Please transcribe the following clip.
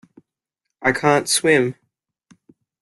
I can't swim.